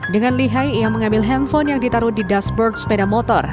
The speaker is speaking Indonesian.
dengan lihai ia mengambil handphone yang ditaruh di dashboard sepeda motor